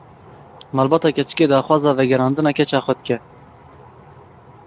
Malbata keçikê daxwaza vegerandina keça xwe dike.